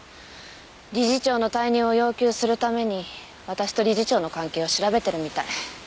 理事長の退任を要求するために私と理事長の関係を調べてるみたい。